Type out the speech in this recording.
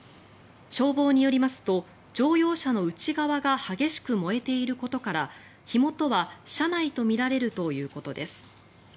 消防によりますと乗用車の内側が激しく燃えていることから火元は車内とみられるということです。